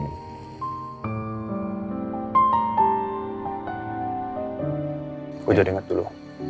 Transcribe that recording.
gue udah denger dulu